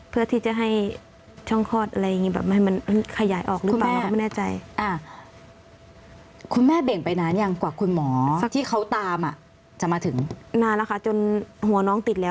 เพื่อที่จะให้ช่องคลอดเขาย่างขายออกหรือเปล่า